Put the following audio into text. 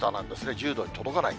１０度に届かない。